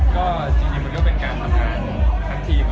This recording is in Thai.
ก็จริงมันก็เป็นการทำงานทั้งทีม